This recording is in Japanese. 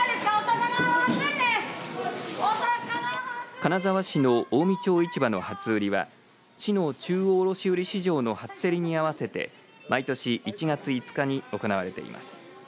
金沢市の近江町市場の初売りは市の中央卸売市場の初競りに合わせて毎年１月５日に行われています。